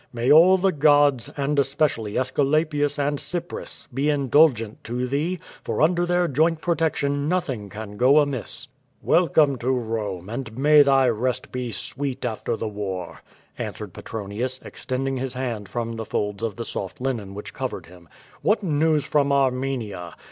''May all the gods, and especially Aesculapius and Cypris, be indulgent to thee, for under their joint protection nothing can go amiss.'' ''Welcome to Rome, and may thy rest be sweet after the war,'' answered Petronius, extending his hand from the folds of the soft linen which covered him. "What news from Armenia?